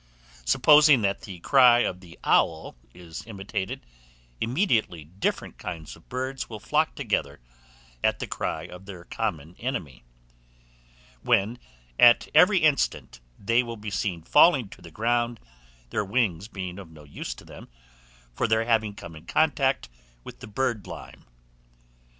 Supposing that the cry of the owl is imitated, immediately different kinds of birds will flock together at the cry of their common enemy, when, at every instant, they will be seen falling to the ground, their wings being of no use to them, from their having come in contact with the birdlime.